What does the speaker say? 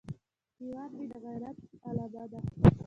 هیواد مې د غیرت علامه ده